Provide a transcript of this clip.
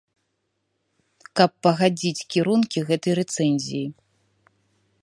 Каб пагадзіць кірункі гэтай рэцэнзіі.